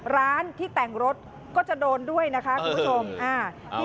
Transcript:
ร้านที่แต่งรถก็จะโดนด้วยนะคะคุณผู้ชม